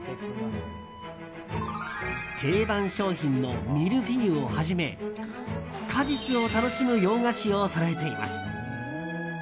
定番商品のミルフィユをはじめ果実を楽しむ洋菓子をそろえています。